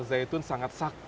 semoga kita bisa tukar pendapat